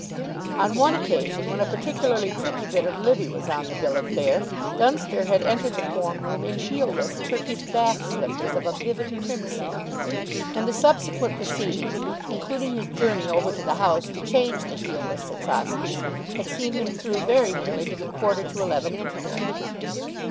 On one occasion, when a particularly tricky bit of Livy was on the bill of fare, Dunster had entered the form room in heel less Turkish bath slippers, of a vivid crimson; and the subsequent proceedings, including his journey over to the house to change the heel less atrocities, had seen him through very nearly to the quarter to eleven interval.